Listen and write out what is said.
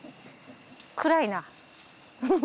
暗いな。